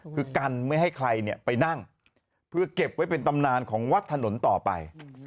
คือกันไม่ให้ใครไปนั่งเพื่อเก็บไว้เป็นตำนานของวัดถนนต่อไป